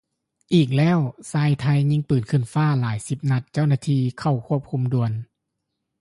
ອີກແລ້ວ! ຊາຍໄທຍິງປືນຂຶ້ນຟ້າຫຼາຍສິບນັດ ເຈົ້າໜ້າທີ່ເຂົ້າຄວບຄຸມດ່ວນ